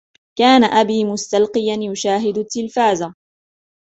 كان أبي مستلقيا، يشاهد التلفاز.